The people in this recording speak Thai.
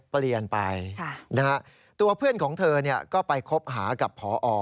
เปลี่ยนไปตัวเพื่อนของเธอก็ไปคบหากับพอ